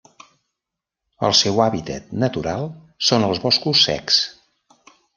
El seu hàbitat natural són els boscos secs.